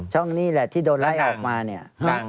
นี่แหละที่โดนไล่ออกมาเนี่ย